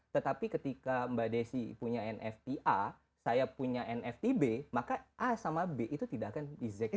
tetapi ketika mbak desi punya nft a saya punya nft b maka a sama b itu tidak akan e zeki